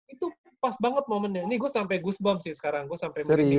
itu pas banget momennya ini gue sampe goosebump sih sekarang gue sampe merinding